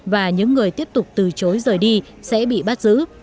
và những người tiếp tục từ chối rời đi sẽ bị bắt giữ